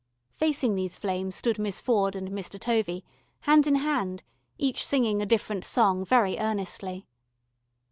Facing these flames stood Miss Ford and Mr. Tovey, hand in hand, each singing a different song very earnestly.